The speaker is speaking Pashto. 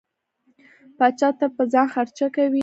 پاچا تل په ځان خرچه کوي.